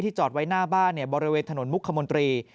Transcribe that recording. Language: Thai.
จอดไว้หน้าบ้านบริเวณถนนมุกคมนตรี